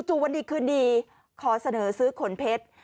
จู่วันนี้คืนนี้ขอเสนอซื้อขนเพชร